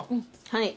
はい。